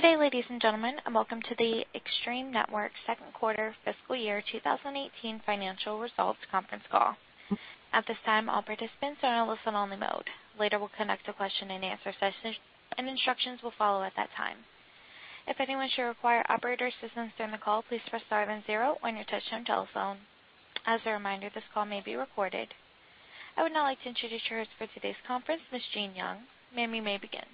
Good day, ladies and gentlemen, and welcome to the Extreme Networks' second quarter fiscal year 2018 financial results conference call. At this time, all participants are in a listen-only mode. Later, we'll conduct a question and answer session, and instructions will follow at that time. If anyone should require operator assistance during the call, please press star and zero on your touch-tone telephone. As a reminder, this call may be recorded. I would now like to introduce yours for today's conference, Ms. Jean Young. Ma'am, you may begin.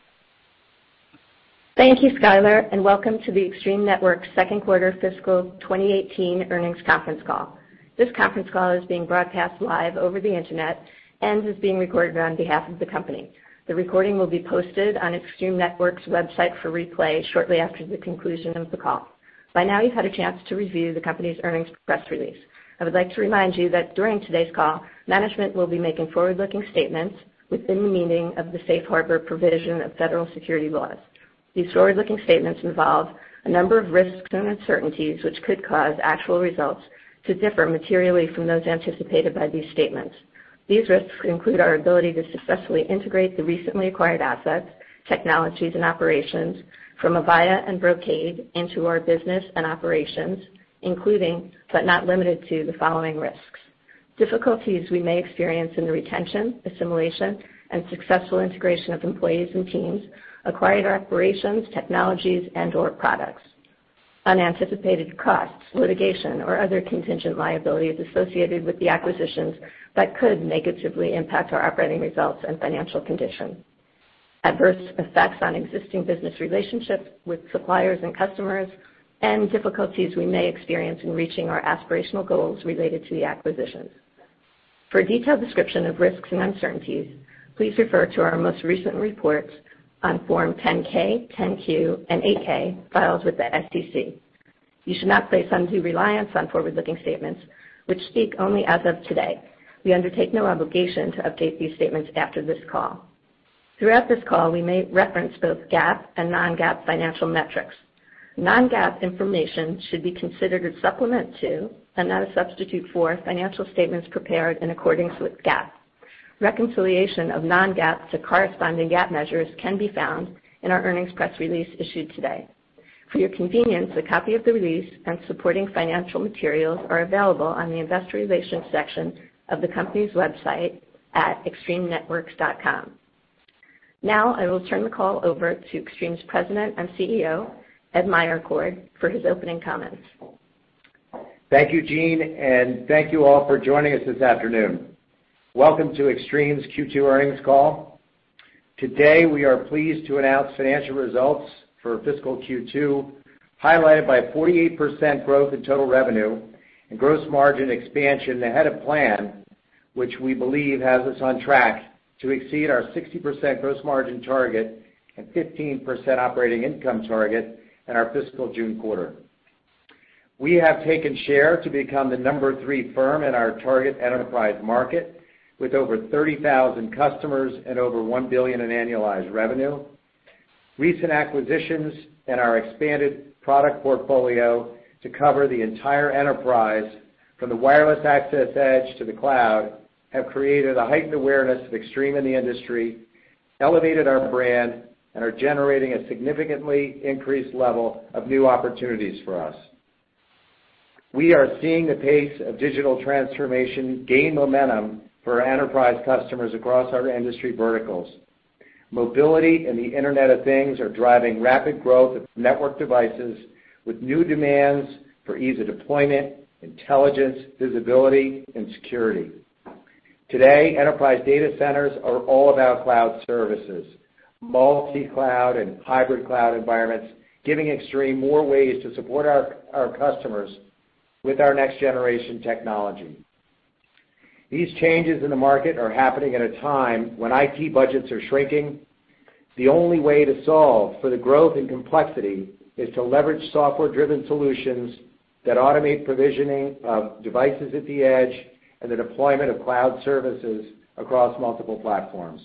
Thank you, Skyler, and welcome to the Extreme Networks second quarter fiscal 2018 earnings conference call. This conference call is being broadcast live over the internet and is being recorded on behalf of the company. The recording will be posted on Extreme Networks' website for replay shortly after the conclusion of the call. By now, you've had a chance to review the company's earnings press release. I would like to remind you that during today's call, management will be making forward-looking statements within the meaning of the safe harbor provision of federal security laws. These forward-looking statements involve a number of risks and uncertainties, which could cause actual results to differ materially from those anticipated by these statements. These risks include our ability to successfully integrate the recently acquired assets, technologies, and operations from Avaya and Brocade into our business and operations, including, but not limited to, the following risks. Difficulties we may experience in the retention, assimilation, and successful integration of employees and teams, acquired operations, technologies, and/or products. Unanticipated costs, litigation, or other contingent liabilities associated with the acquisitions that could negatively impact our operating results and financial condition. Adverse effects on existing business relationships with suppliers and customers, and difficulties we may experience in reaching our aspirational goals related to the acquisitions. For a detailed description of risks and uncertainties, please refer to our most recent reports on Form 10-K, 10-Q, and 8-K filed with the SEC. You should not place undue reliance on forward-looking statements, which speak only as of today. We undertake no obligation to update these statements after this call. Throughout this call, we may reference both GAAP and non-GAAP financial metrics. Non-GAAP information should be considered a supplement to and not a substitute for financial statements prepared in accordance with GAAP. Reconciliation of non-GAAP to corresponding GAAP measures can be found in our earnings press release issued today. For your convenience, a copy of the release and supporting financial materials are available on the investor relations section of the company's website at extremenetworks.com. I will turn the call over to Extreme's President and CEO, Ed Meyercord, for his opening comments. Thank you, Jean, and thank you all for joining us this afternoon. Welcome to Extreme's Q2 earnings call. Today, we are pleased to announce financial results for fiscal Q2, highlighted by a 48% growth in total revenue and gross margin expansion ahead of plan, which we believe has us on track to exceed our 60% gross margin target and 15% operating income target in our fiscal June quarter. We have taken share to become the number 3 firm in our target enterprise market, with over 30,000 customers and over $1 billion in annualized revenue. Recent acquisitions and our expanded product portfolio to cover the entire enterprise, from the wireless access edge to the cloud, have created a heightened awareness of Extreme in the industry, elevated our brand, and are generating a significantly increased level of new opportunities for us. We are seeing the pace of digital transformation gain momentum for our enterprise customers across our industry verticals. Mobility and the Internet of Things are driving rapid growth of network devices with new demands for ease of deployment, intelligence, visibility, and security. Today, enterprise data centers are all about cloud services, multi-cloud and hybrid cloud environments, giving Extreme more ways to support our customers with our next-generation technology. These changes in the market are happening at a time when IT budgets are shrinking. The only way to solve for the growth in complexity is to leverage software-driven solutions that automate provisioning of devices at the edge and the deployment of cloud services across multiple platforms.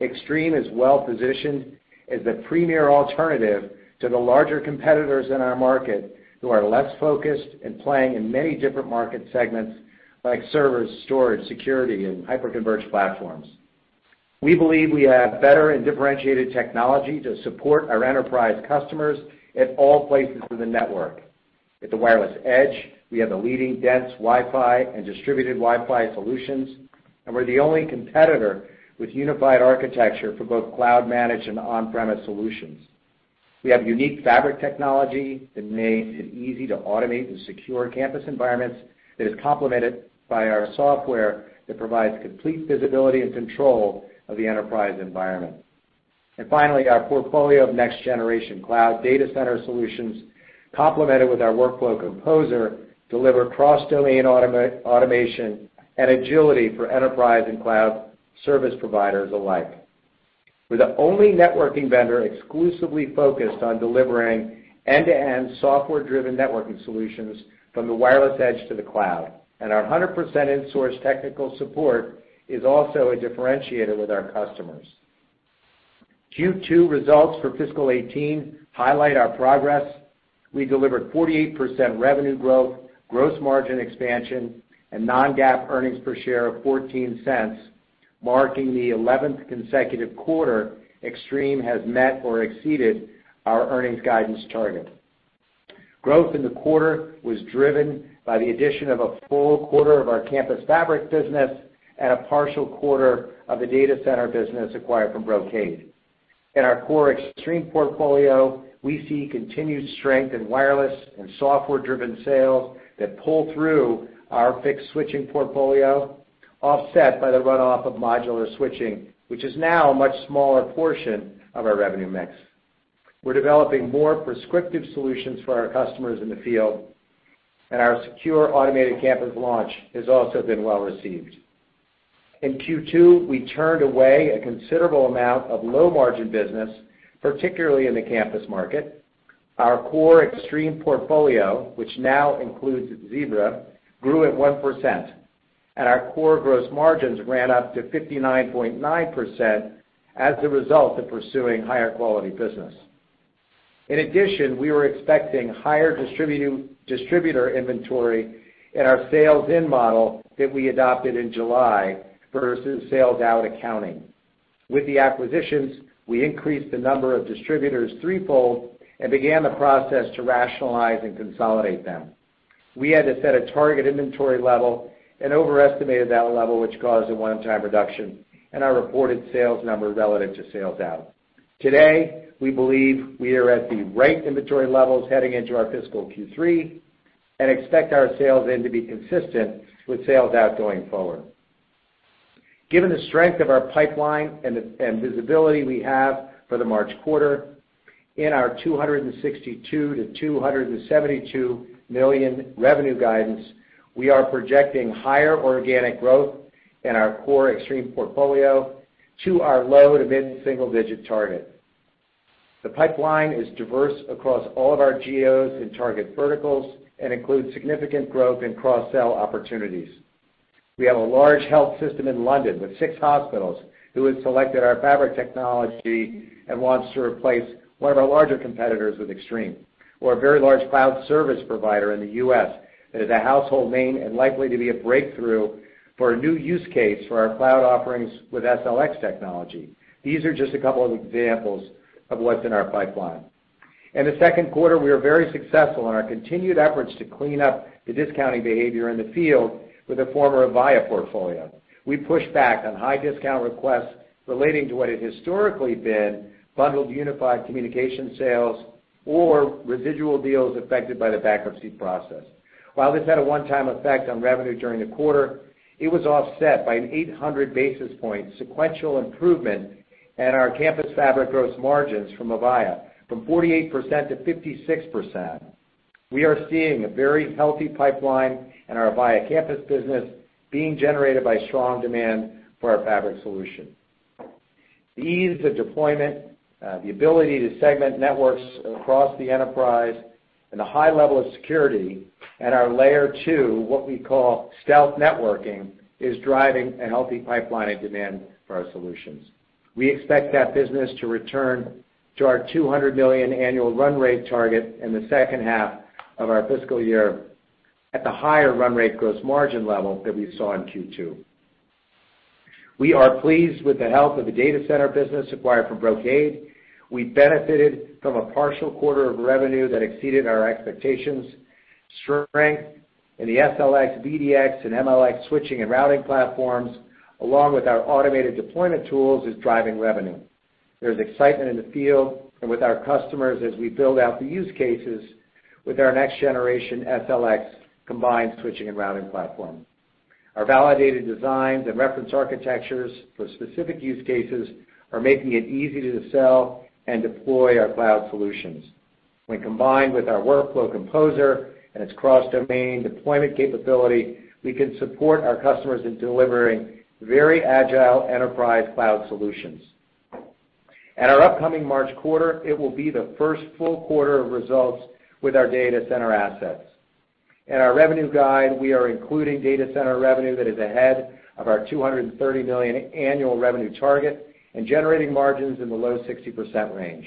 Extreme is well-positioned as the premier alternative to the larger competitors in our market who are less focused and playing in many different market segments like servers, storage, security, and hyper-converged platforms. We believe we have better and differentiated technology to support our enterprise customers at all places in the network. At the wireless edge, we have a leading dense Wi-Fi and distributed Wi-Fi solutions, and we're the only competitor with unified architecture for both cloud managed and on-premise solutions. We have unique fabric technology that makes it easy to automate the secure campus environments that is complemented by our software that provides complete visibility and control of the enterprise environment. Finally, our portfolio of next-generation cloud data center solutions, complemented with our Workflow Composer, deliver cross-domain automation and agility for enterprise and cloud service providers alike. We're the only networking vendor exclusively focused on delivering end-to-end software-driven networking solutions from the wireless edge to the cloud, and our 100% insourced technical support is also a differentiator with our customers. Q2 results for fiscal 2018 highlight our progress. We delivered 48% revenue growth, gross margin expansion, and non-GAAP earnings per share of $0.14, marking the 11th consecutive quarter Extreme has met or exceeded our earnings guidance target. Growth in the quarter was driven by the addition of a full quarter of our campus fabric business and a partial quarter of the data center business acquired from Brocade. In our core Extreme portfolio, we see continued strength in wireless and software-driven sales that pull through our fixed switching portfolio, offset by the runoff of modular switching, which is now a much smaller portion of our revenue mix. We're developing more prescriptive solutions for our customers in the field, and our Secure Automated Campus launch has also been well-received. In Q2, we turned away a considerable amount of low-margin business, particularly in the campus market. Our core Extreme portfolio, which now includes Zebra, grew at 1%, and our core gross margins ran up to 59.9% as a result of pursuing higher-quality business. We were expecting higher distributor inventory in our sales in model that we adopted in July versus sales out accounting. With the acquisitions, we increased the number of distributors threefold and began the process to rationalize and consolidate them. We had to set a target inventory level and overestimated that level, which caused a one-time reduction in our reported sales numbers relative to sales out. Today, we believe we are at the right inventory levels heading into our fiscal Q3 and expect our sales in to be consistent with sales out going forward. Given the strength of our pipeline and visibility we have for the March quarter, in our $262 million-$272 million revenue guidance, we are projecting higher organic growth in our core Extreme portfolio to our low- to mid-single-digit target. The pipeline is diverse across all of our geos and target verticals and includes significant growth in cross-sell opportunities. We have a large health system in London with six hospitals who have selected our fabric technology and want to replace one of our larger competitors with Extreme. We are a very large cloud service provider in the U.S. that is a household name and likely to be a breakthrough for a new use case for our cloud offerings with SLX technology. These are just a couple of examples of what is in our pipeline. In the second quarter, we were very successful in our continued efforts to clean up the discounting behavior in the field with the former Avaya portfolio. We pushed back on high discount requests relating to what had historically been bundled unified communication sales or residual deals affected by the bankruptcy process. While this had a one-time effect on revenue during the quarter, it was offset by an 800-basis point sequential improvement in our campus fabric gross margins from Avaya from 48%-56%. We are seeing a very healthy pipeline in our Avaya Campus business being generated by strong demand for our fabric solution. The ease of deployment, the ability to segment networks across the enterprise, and a high level of security at our Layer 2, what we call stealth networking, is driving a healthy pipeline of demand for our solutions. We expect that business to return to our $200 million annual run rate target in the second half of our fiscal year at the higher run rate gross margin level that we saw in Q2. We are pleased with the health of the data center business acquired from Brocade. We benefited from a partial quarter of revenue that exceeded our expectations. Strength in the SLX, VDX, and MLX switching and routing platforms, along with our automated deployment tools, is driving revenue. There is excitement in the field and with our customers as we build out the use cases with our next-generation SLX combined switching and routing platform. Our validated designs and reference architectures for specific use cases are making it easy to sell and deploy our cloud solutions. When combined with our Workflow Composer and its cross-domain deployment capability, we can support our customers in delivering very agile enterprise cloud solutions. At our upcoming March quarter, it will be the first full quarter of results with our Extreme Data Center assets. In our revenue guide, we are including data center revenue that is ahead of our $230 million annual revenue target and generating margins in the low 60% range.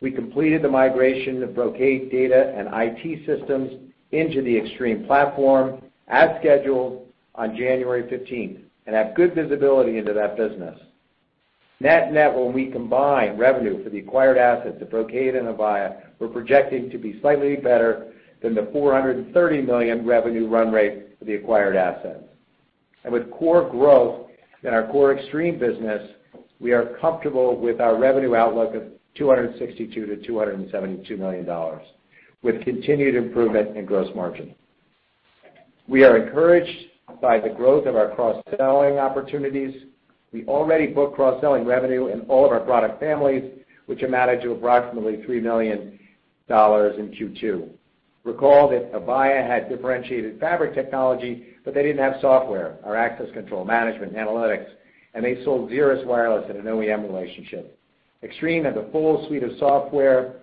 We completed the migration of Brocade data and IT systems into the Extreme platform as scheduled on January 15th and have good visibility into that business. Net-net, when we combine revenue for the acquired assets of Brocade and Avaya, we're projecting to be slightly better than the $430 million revenue run rate for the acquired assets. With core growth in our core Extreme business, we are comfortable with our revenue outlook of $262 million-$272 million, with continued improvement in gross margin. We are encouraged by the growth of our cross-selling opportunities. We already book cross-selling revenue in all of our product families, which amounted to approximately $3 million in Q2. Recall that Avaya had differentiated fabric technology, but they didn't have software, our access control management analytics, and they sold Zebra Wireless in an OEM relationship. Extreme has a full suite of software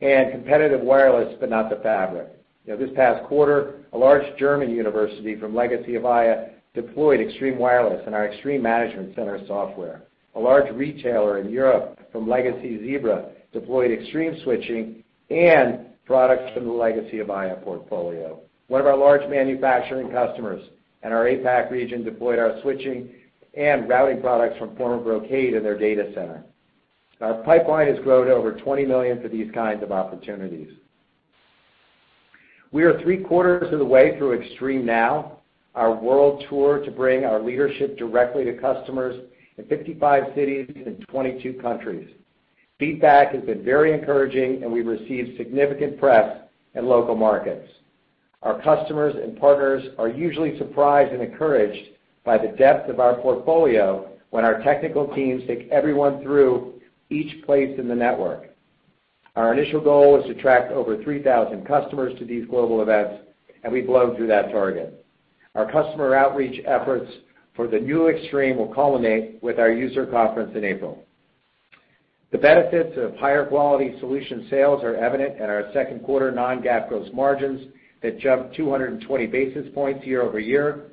and competitive wireless, but not the fabric. This past quarter, a large German university from Legacy Avaya deployed ExtremeWireless and our Extreme Management Center software. A large retailer in Europe from Legacy Zebra deployed Extreme switching and products from the legacy Avaya portfolio. One of our large manufacturing customers in our APAC region deployed our switching and routing products from former Brocade in their data center. Our pipeline has grown to over $20 million for these kinds of opportunities. We are three-quarters of the way through Extreme NOW, our world tour to bring our leadership directly to customers in 55 cities in 22 countries. Feedback has been very encouraging, and we've received significant press in local markets. Our customers and partners are usually surprised and encouraged by the depth of our portfolio when our technical teams take everyone through each place in the network. Our initial goal was to attract over 3,000 customers to these global events, and we've blown through that target. Our customer outreach efforts for the new Extreme will culminate with our user conference in April. The benefits of higher-quality solution sales are evident in our second quarter non-GAAP gross margins that jumped 220 basis points year-over-year.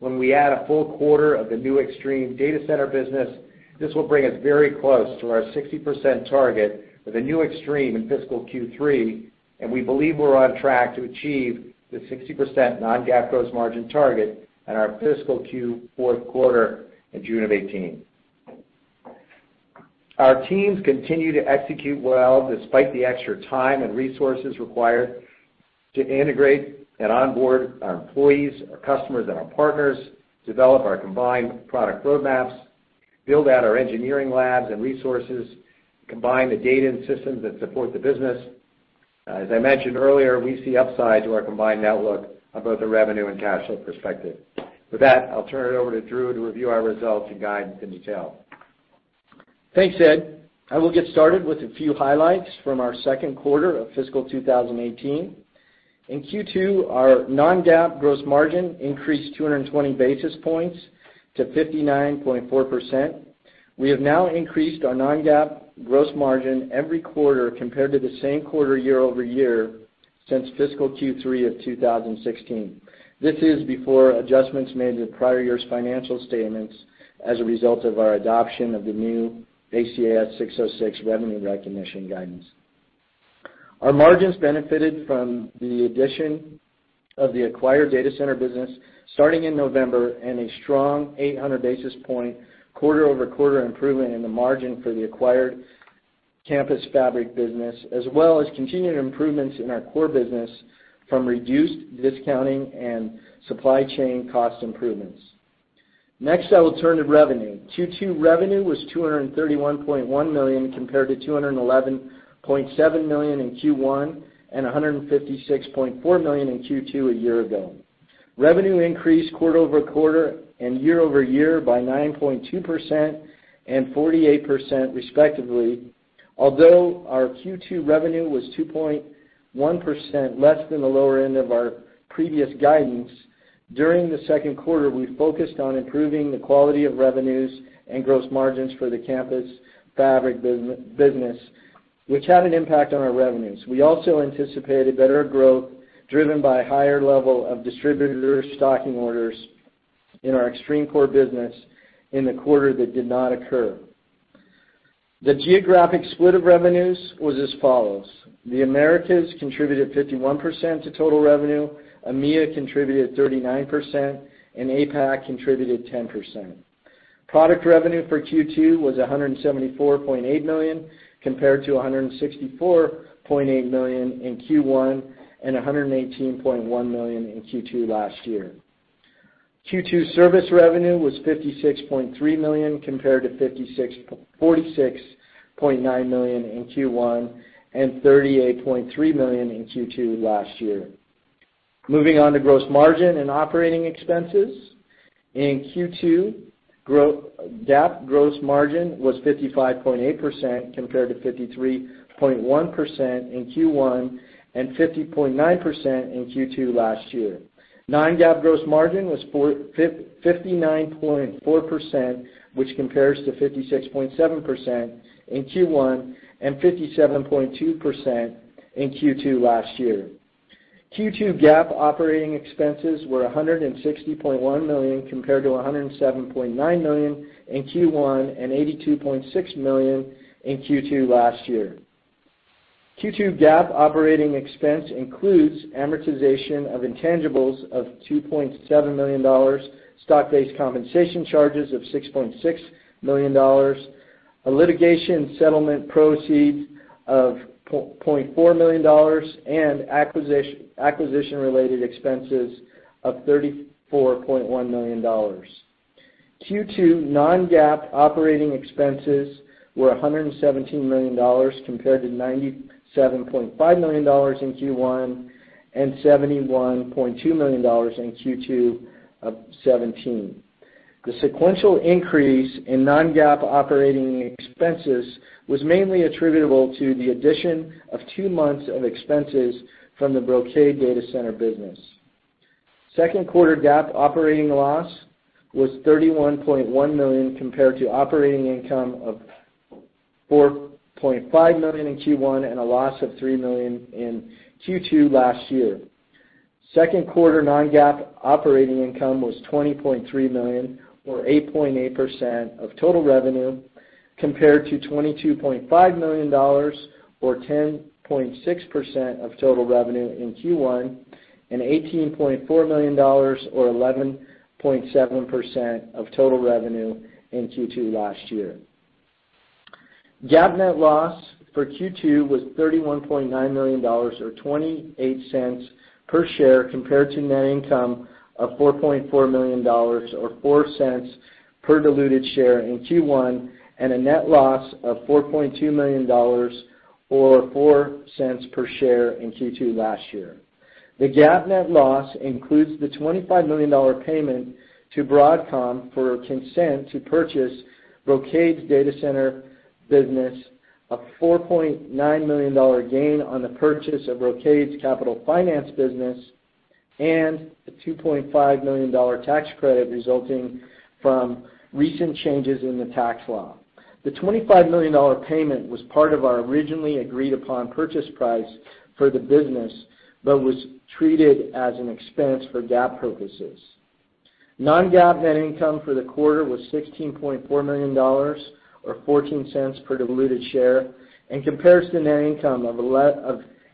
When we add a full quarter of the new Extreme Data Center business, this will bring us very close to our 60% target for the new Extreme in fiscal Q3, and we believe we're on track to achieve the 60% non-GAAP gross margin target in our fiscal Q fourth quarter in June of 2018. Our teams continue to execute well despite the extra time and resources required to integrate and onboard our employees, our customers, and our partners, develop our combined product roadmaps, build out our engineering labs and resources, combine the data and systems that support the business. As I mentioned earlier, we see upside to our combined outlook on both a revenue and cash flow perspective. With that, I'll turn it over to Drew to review our results and guide the detail. Thanks, Ed. I will get started with a few highlights from our second quarter of fiscal 2018. In Q2, our non-GAAP gross margin increased 220 basis points to 59.4%. We have now increased our non-GAAP gross margin every quarter compared to the same quarter year-over-year since fiscal Q3 of 2016. This is before adjustments made to the prior year's financial statements as a result of our adoption of the new ASC 606 revenue recognition guidance. Our margins benefited from the addition of the acquired data center business starting in November and a strong 800 basis point quarter-over-quarter improvement in the margin for the acquired campus fabric business, as well as continued improvements in our core business from reduced discounting and supply chain cost improvements. Next, I will turn to revenue. Q2 revenue was $231.1 million compared to $211.7 million in Q1 and $156.4 million in Q2 a year ago. Revenue increased quarter-over-quarter and year-over-year by 9.2% and 48% respectively. Although our Q2 revenue was 2.1% less than the lower end of our previous guidance, during the second quarter, we focused on improving the quality of revenues and gross margins for the campus fabric business, which had an impact on our revenues. We also anticipated better growth driven by a higher level of distributor stocking orders in our Extreme Core business in the quarter that did not occur. The geographic split of revenues was as follows: The Americas contributed 51% to total revenue, EMEA contributed 39%, and APAC contributed 10%. Product revenue for Q2 was $174.8 million, compared to $164.8 million in Q1 and $118.1 million in Q2 last year. Q2 service revenue was $56.3 million, compared to $46.9 million in Q1 and $38.3 million in Q2 last year. Moving on to gross margin and operating expenses. In Q2, GAAP gross margin was 55.8%, compared to 53.1% in Q1 and 50.9% in Q2 last year. Non-GAAP gross margin was 59.4%, which compares to 56.7% in Q1 and 57.2% in Q2 last year. Q2 GAAP operating expenses were $160.1 million, compared to $107.9 million in Q1 and $82.6 million in Q2 last year. Q2 GAAP operating expense includes amortization of intangibles of $2.7 million, stock-based compensation charges of $6.6 million, a litigation settlement proceed of $0.4 million and acquisition-related expenses of $34.1 million. Q2 non-GAAP operating expenses were $117 million, compared to $97.5 million in Q1 and $71.2 million in Q2 of 2017. The sequential increase in non-GAAP operating expenses was mainly attributable to the addition of two months of expenses from the Brocade Data Center business. Second quarter GAAP operating loss was $31.1 million compared to operating income of $4.5 million in Q1 and a loss of $3 million in Q2 last year. Second quarter non-GAAP operating income was $20.3 million or 8.8% of total revenue, compared to $22.5 million or 10.6% of total revenue in Q1, and $18.4 million or 11.7% of total revenue in Q2 last year. GAAP net loss for Q2 was $31.9 million or $0.28 per share compared to net income of $4.4 million or $0.04 per diluted share in Q1, and a net loss of $4.2 million or $0.04 per share in Q2 last year. The GAAP net loss includes the $25 million payment to Broadcom for consent to purchase Brocade's data center business, a $4.9 million gain on the purchase of Brocade's capital finance business, and a $2.5 million tax credit resulting from recent changes in the tax law. The $25 million payment was part of our originally agreed-upon purchase price for the business but was treated as an expense for GAAP purposes. Non-GAAP net income for the quarter was $16.4 million or $0.14 per diluted share in comparison to net income of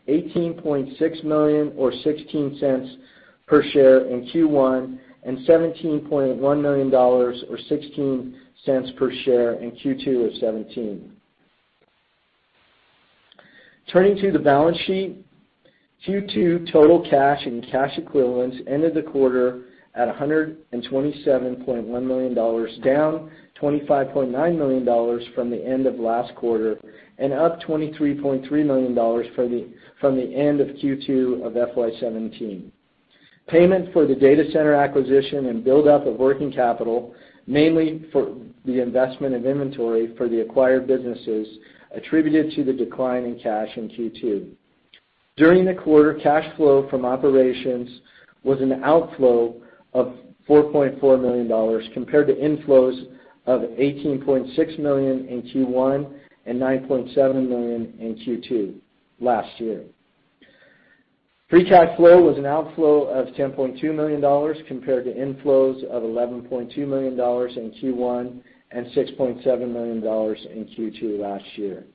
$18.6 million or $0.16 per share in Q1 and $17.1 million or $0.16 per share in Q2 of 2017. Turning to the balance sheet. Q2 total cash and cash equivalents ended the quarter at $127.1 million, down $25.9 million from the end of last quarter and up $23.3 million from the end of Q2 of FY 2017. Payment for the data center acquisition and build-up of working capital, mainly for the investment in inventory for the acquired businesses attributed to the decline in cash in Q2. During the quarter, cash flow from operations was an outflow of $4.4 million compared to inflows of $18.6 million in Q1 and $9.7 million in Q2 last year. Free cash flow was an outflow of $10.2 million compared to inflows of $11.2 million in Q1 and $6.7 million in Q2 last year.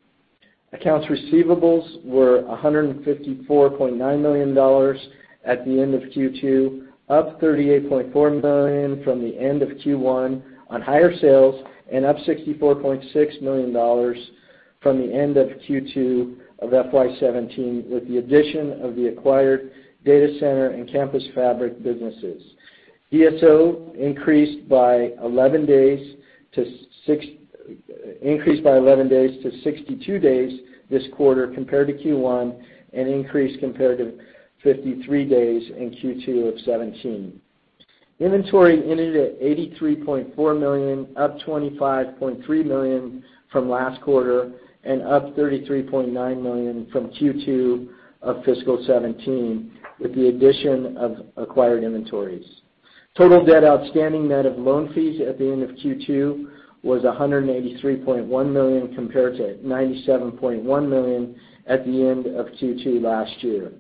Accounts receivables were $154.9 million at the end of Q2, up $38.4 million from the end of Q1 on higher sales and up $64.6 million from the end of Q2 of FY 2017 with the addition of the acquired data center and campus fabric businesses. DSO increased by 11 days to 62 days this quarter compared to Q1 and increased compared to 53 days in Q2 of 2017. Inventory ended at $83.4 million, up $25.3 million from last quarter and up $33.9 million from Q2 of fiscal 2017 with the addition of acquired inventories. Total debt outstanding net of loan fees at the end of Q2 was $183.1 million compared to $97.1 million at the end of Q2 last year.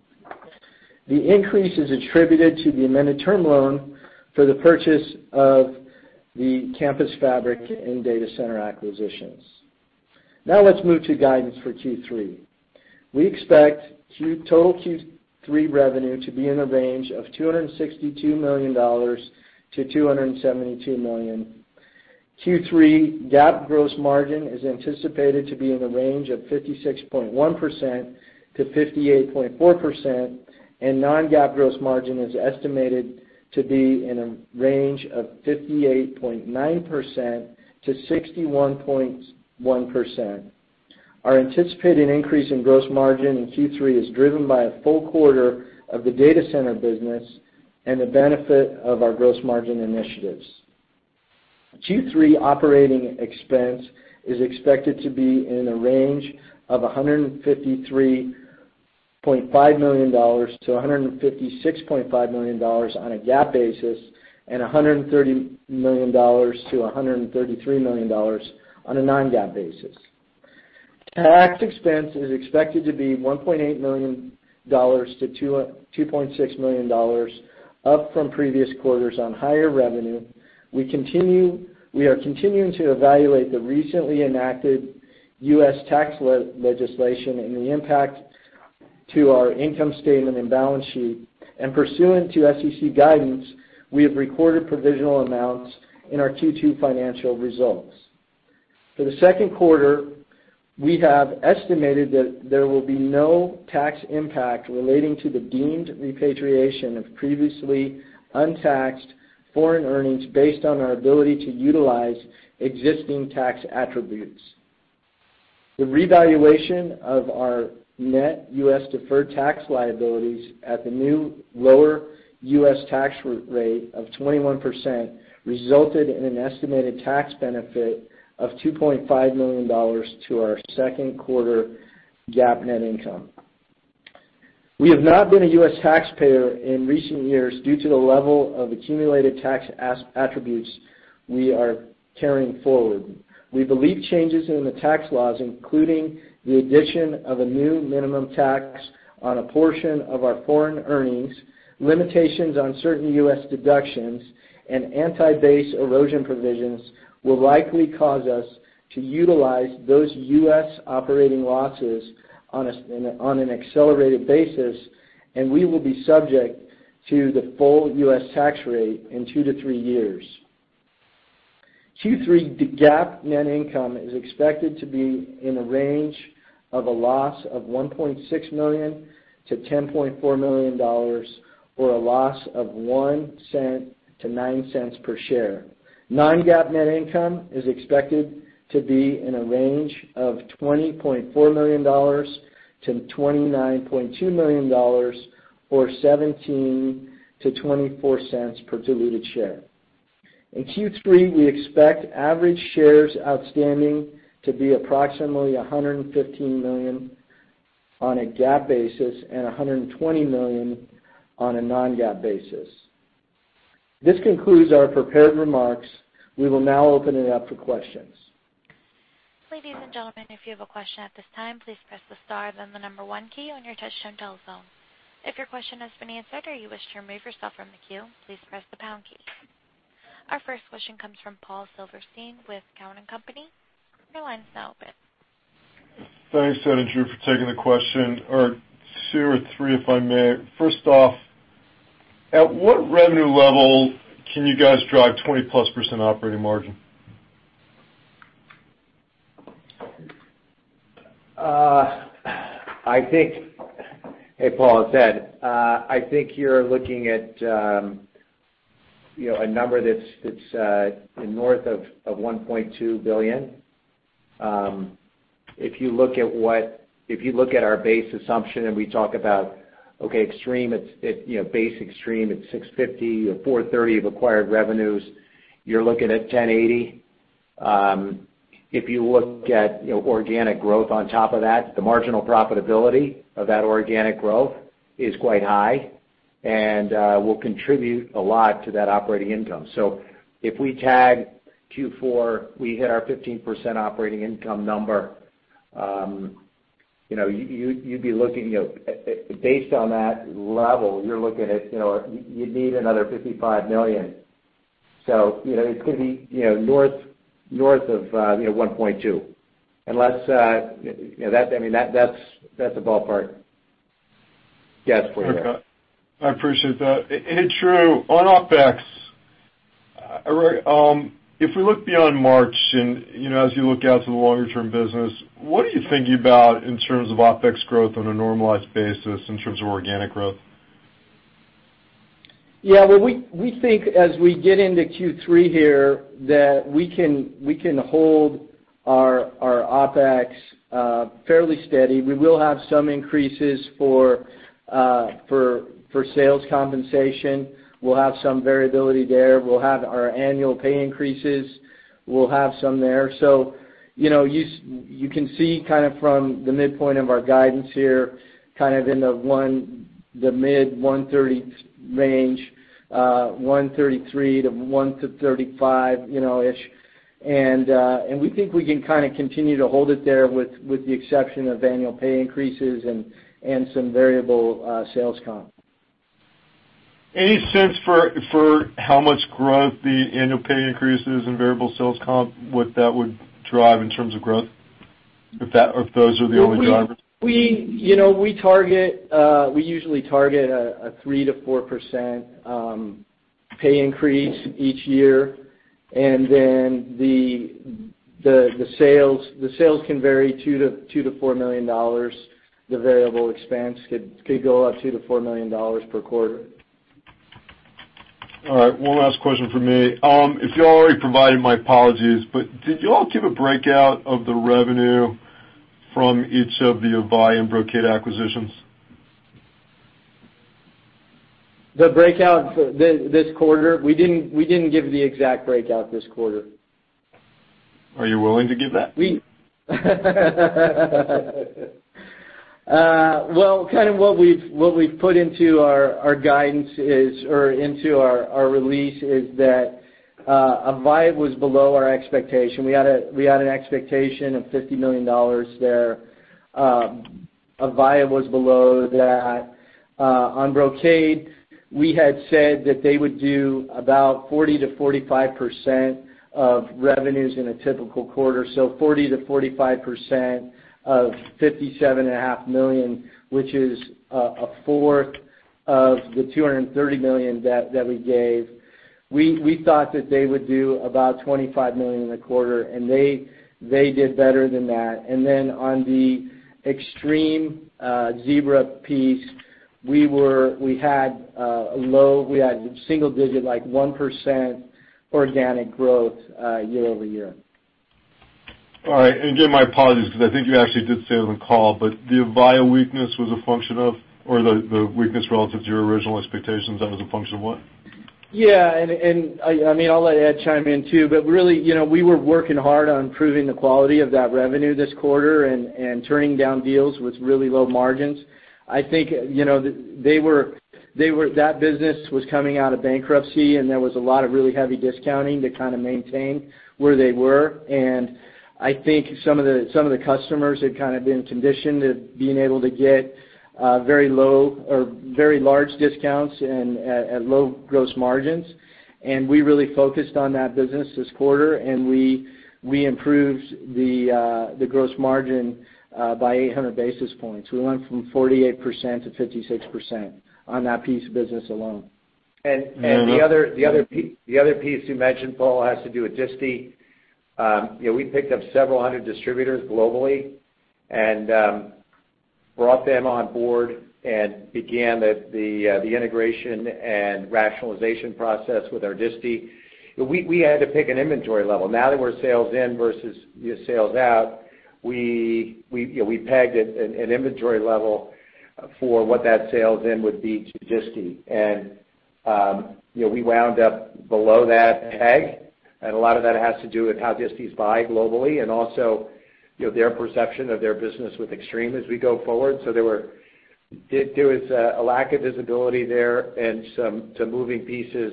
The increase is attributed to the amended term loan for the purchase of the campus fabric and data center acquisitions. Let's move to guidance for Q3. We expect total Q3 revenue to be in the range of $262 million-$272 million. Q3 GAAP gross margin is anticipated to be in the range of 56.1%-58.4%, and non-GAAP gross margin is estimated to be in a range of 58.9%-61.1%. Our anticipated increase in gross margin in Q3 is driven by a full quarter of the data center business and the benefit of our gross margin initiatives. Q3 operating expense is expected to be in a range of $153.5 million-$156.5 million on a GAAP basis and $130 million-$133 million on a non-GAAP basis. Tax expense is expected to be $1.8 million-$2.6 million, up from previous quarters on higher revenue. We are continuing to evaluate the recently enacted U.S. tax legislation and the impact to our income statement and balance sheet. Pursuant to SEC guidance, we have recorded provisional amounts in our Q2 financial results. For the second quarter, we have estimated that there will be no tax impact relating to the deemed repatriation of previously untaxed foreign earnings based on our ability to utilize existing tax attributes. The revaluation of our net U.S. deferred tax liabilities at the new lower U.S. tax rate of 21% resulted in an estimated tax benefit of $2.5 million to our second quarter GAAP net income. We have not been a U.S. taxpayer in recent years due to the level of accumulated tax attributes we are carrying forward. We believe changes in the tax laws, including the addition of a new minimum tax on a portion of our foreign earnings, limitations on certain U.S. deductions, and anti-base erosion provisions, will likely cause us to utilize those U.S. operating losses on an accelerated basis, and we will be subject to the full U.S. tax rate in two to three years. Q3 GAAP net income is expected to be in a range of a loss of $1.6 million to $10.4 million, or a loss of $0.01 to $0.09 per share. Non-GAAP net income is expected to be in a range of $20.4 million to $29.2 million, or $0.17 to $0.24 per diluted share. In Q3, we expect average shares outstanding to be approximately 115 million on a GAAP basis and 120 million on a non-GAAP basis. This concludes our prepared remarks. We will now open it up for questions. Ladies and gentlemen, if you have a question at this time, please press the star, then the number one key on your touchtone telephone. If your question has been answered or you wish to remove yourself from the queue, please press the pound key. Our first question comes from Paul Silverstein with Cowen and Company. Your line's now open. Thanks, Ed and Drew, for taking the question. Two or three, if I may. First off, at what revenue level can you guys drive 20-plus % operating margin? Hey, Paul, it's Ed. I think you're looking at a number that's north of $1.2 billion. If you look at our base assumption and we talk about base Extreme, it's $650 or $430 of acquired revenues, you're looking at $1,080. If you look at organic growth on top of that, the marginal profitability of that organic growth is quite high and will contribute a lot to that operating income. If we tag Q4, we hit our 15% operating income number, based on that level, you'd need another $55 million. It's going to be north of $1.2, unless. That's the ballpark guess for you. Okay. I appreciate that. Drew, on OpEx, if we look beyond March and, as you look out to the longer-term business, what are you thinking about in terms of OpEx growth on a normalized basis in terms of organic growth? Yeah. Well, we think as we get into Q3 here, that we can hold our OpEx fairly steady. We will have some increases for sales compensation. We'll have some variability there. We'll have our annual pay increases. We'll have some there. You can see from the midpoint of our guidance here, in the mid $130 range, $133 to $135-ish, and we think we can continue to hold it there with the exception of annual pay increases and some variable sales comp. Any sense for how much growth the annual pay increases and variable sales comp, what that would drive in terms of growth? If those are the only drivers. We usually target a 3%-4% pay increase each year, and then the sales can vary $2 million-$4 million. The variable expense could go up $2 million-$4 million per quarter. All right. One last question from me. If you already provided, my apologies, but did you all give a breakout of the revenue from each of the Avaya and Brocade acquisitions? The breakout this quarter? We didn't give the exact breakout this quarter. Are you willing to give that? What we've put into our guidance is, or into our release is that Avaya was below our expectation. We had an expectation of $50 million there. Avaya was below that. On Brocade, we had said that they would do about 40%-45% of revenues in a typical quarter, so 40%-45% of $57.5 million, which is a fourth of the $230 million that we gave. We thought that they would do about $25 million in a quarter, and they did better than that. Then on the Extreme Zebra piece, we had low, we had single digit, 1% organic growth year-over-year. All right. Again, my apologies, because I think you actually did say it on the call, but the Avaya weakness was a function of, or the weakness relative to your original expectations, that was a function of what? Yeah. I'll let Ed chime in, too. Really, we were working hard on improving the quality of that revenue this quarter and turning down deals with really low margins. I think that business was coming out of bankruptcy, there was a lot of really heavy discounting to kind of maintain where they were. I think some of the customers had kind of been conditioned to being able to get very large discounts at low gross margins. We really focused on that business this quarter, and we improved the gross margin by 800 basis points. We went from 48%-56% on that piece of business alone. The other piece you mentioned, Paul, has to do with disti. We picked up several hundred distributors globally and brought them on board and began the integration and rationalization process with our disti. We had to pick an inventory level. Now that we're sales in versus sales out, we pegged it at an inventory level for what that sales in would be to disti. We wound up below that peg, and a lot of that has to do with how distis buy globally and also their perception of their business with Extreme as we go forward. There was a lack of visibility there and some moving pieces,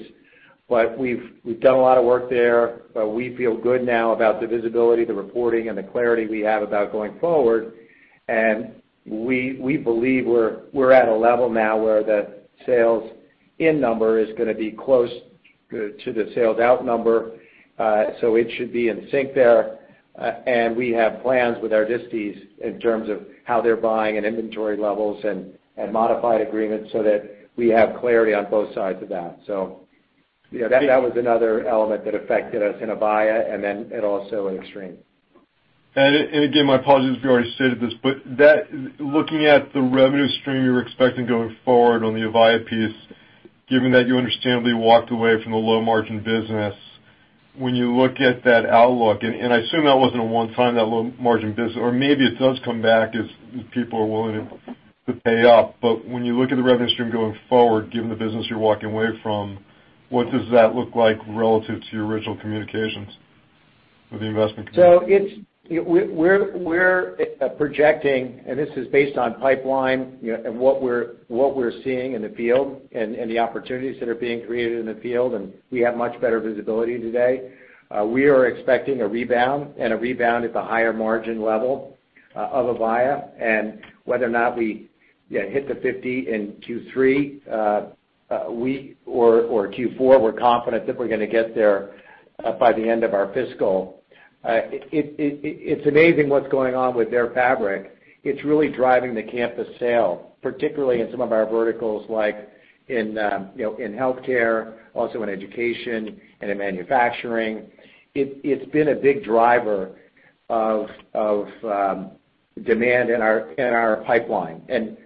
but we've done a lot of work there. We feel good now about the visibility, the reporting, and the clarity we have about going forward. We believe we're at a level now where the sales in number is going to be close to the sales out number. It should be in sync there. We have plans with our disties in terms of how they're buying and inventory levels and modified agreements so that we have clarity on both sides of that. That was another element that affected us in Avaya, and then also in Extreme. Again, my apologies if you already stated this, looking at the revenue stream you were expecting going forward on the Avaya piece, given that you understandably walked away from the low margin business, when you look at that outlook, and I assume that wasn't a one-time, that low margin business, or maybe it does come back if people are willing to pay up. When you look at the revenue stream going forward, given the business you're walking away from, what does that look like relative to your original communications with the investment community? We're projecting, this is based on pipeline and what we're seeing in the field and the opportunities that are being created in the field, we have much better visibility today. We are expecting a rebound and a rebound at the higher margin level of Avaya. Whether or not we hit the 50 in Q3 or Q4, we're confident that we're going to get there by the end of our fiscal. It's amazing what's going on with their fabric. It's really driving the campus sale, particularly in some of our verticals, like in healthcare, also in education, and in manufacturing. It's been a big driver of demand in our pipeline.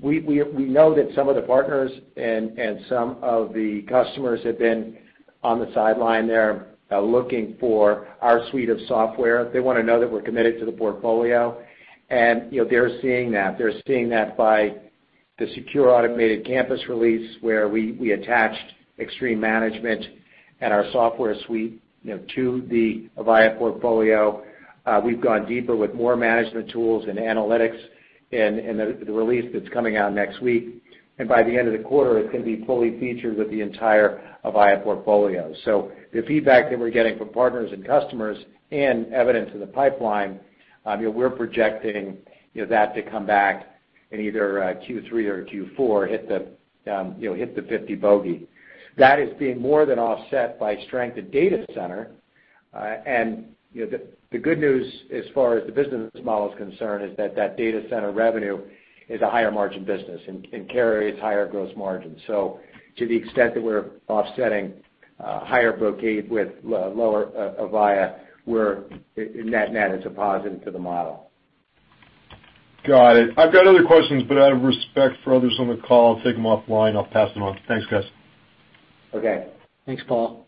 We know that some of the partners and some of the customers have been on the sideline there looking for our suite of software. They want to know that we're committed to the portfolio, they're seeing that. They're seeing that by the Secure Automated Campus release, where we attached Extreme Management and our software suite to the Avaya portfolio. We've gone deeper with more management tools and analytics in the release that's coming out next week. By the end of the quarter, it's going to be fully featured with the entire Avaya portfolio. The feedback that we're getting from partners and customers and evident in the pipeline, we're projecting that to come back in either Q3 or Q4, hit the 50 bogey. That is being more than offset by strength at data center, and the good news as far as the business model is concerned is that data center revenue is a higher margin business and carries higher gross margins. To the extent that we're offsetting higher Brocade with lower Avaya, net is a positive to the model. Got it. I've got other questions, out of respect for others on the call, I'll take them offline. I'll pass them on. Thanks, guys. Okay. Thanks, Paul.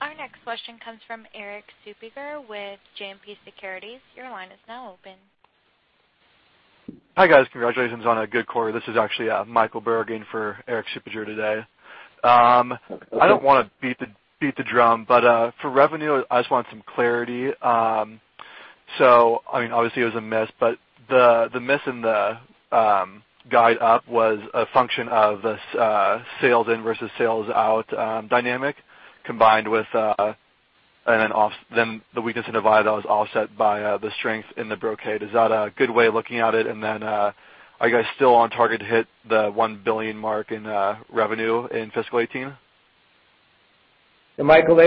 Our next question comes from Erik Suppiger with JMP Securities. Your line is now open. Hi, guys. Congratulations on a good quarter. This is actually Michael Bergin for Erik Suppiger today. For revenue, I just want some clarity. Obviously it was a miss, but the miss in the guide up was a function of this sales in versus sales out dynamic combined with the weakness in Avaya that was offset by the strength in the Brocade. Is that a good way of looking at it? Are you guys still on target to hit the $1 billion mark in revenue in fiscal 2018? Michael,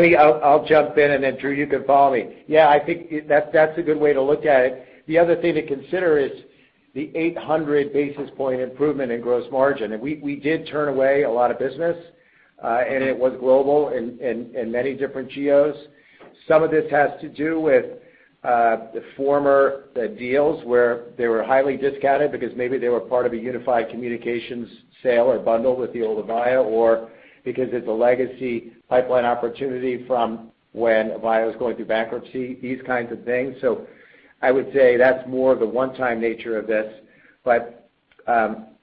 I'll jump in. Drew, you can follow me. Yeah, I think that's a good way to look at it. The other thing to consider is the 800 basis point improvement in gross margin. We did turn away a lot of business, and it was global in many different geos. Some of this has to do with the former deals where they were highly discounted because maybe they were part of a unified communications sale or bundle with the old Avaya, or because it's a legacy pipeline opportunity from when Avaya was going through bankruptcy, these kinds of things. I would say that's more the one-time nature of this.